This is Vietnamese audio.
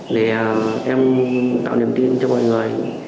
để em tạo niềm tin cho mọi người